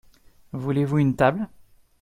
Voulez-vous une table ?